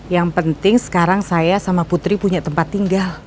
yang penting sekarang saya sama putri punya tempat tinggal